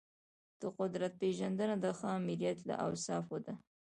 د قدرت پیژندنه د ښه آمریت له اوصافو ده.